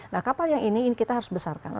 nah kapal yang ini kita harus besarkan